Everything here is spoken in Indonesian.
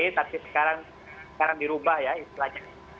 tapi sekarang dirubah ya istilahnya